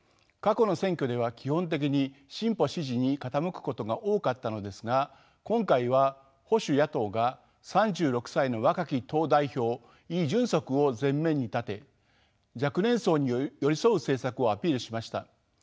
過去の選挙では基本的に進歩支持に傾くことが多かったのですが今回は保守野党が３６歳の若き党代表イ・ジュンソクを前面に立て若年層に寄り添う政策をアピールしました。